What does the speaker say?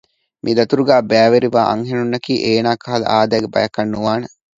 މި ދަތުރުގައި ބައިވެރިވާ އަންހެނުންނަކީ އޭނާ ކަހަލަ އާދައިގެ ބަޔަކަށް ނުވާނެ